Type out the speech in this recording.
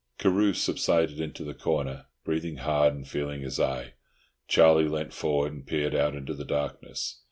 Carew subsided into the corner, breathing hard and feeling his eye. Charlie leant forward and peered out into the darkness.